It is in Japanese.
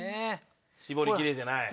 絞りきれてない？